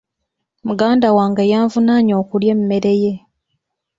Muganda wange yanvunaaanye okulya emmere ye.